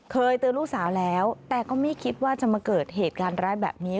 เคยเตือนลูกสาวแล้วแต่ก็ไม่คิดว่าจะมาเกิดเหตุการณ์ร้ายแบบนี้